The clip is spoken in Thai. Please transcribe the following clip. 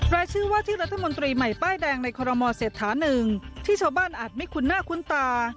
รายชื่อว่าที่รัฐมนตรีใหม่ป้ายแดงในคอรมอเศรษฐานึงที่ชาวบ้านอาจไม่คุ้นหน้าคุ้นตา